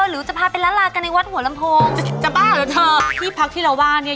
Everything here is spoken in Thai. หรือจะพาไปร้านลากันในวัดหัวลำโพงจะบ้าเหรอเธอที่พักที่เราว่าเนี่ย